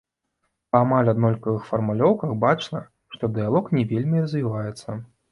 Па амаль аднолькавых фармулёўках бачна, што дыялог не вельмі і развіваецца.